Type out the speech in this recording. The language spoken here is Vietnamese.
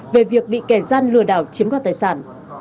về việc bị kẻ gian lừa đảo chiếm đoạt tài sản